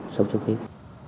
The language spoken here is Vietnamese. sốt xuất huyết